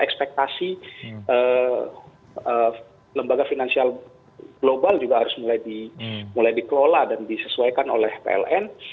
ekspektasi lembaga finansial global juga harus mulai dikelola dan disesuaikan oleh pln